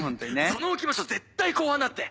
その置き場所絶対後半だって！